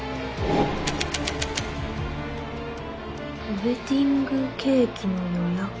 ウェディングケーキの予約！？